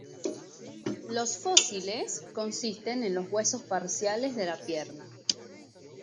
Los fósiles consisten en los huesos parciales de la pierna.